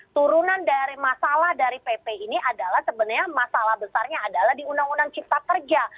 turunan dari masalah dari pp ini adalah sebenarnya masalah besarnya adalah di undang undang cipta kerja